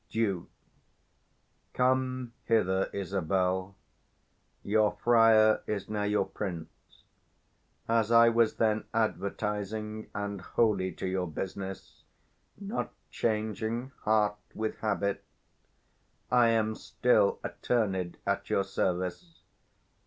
Duke. Come hither, Isabel. Your friar is now your prince: as I was then 380 Advertising and holy to your business, Not changing heart with habit, I am still Attorney'd at your service.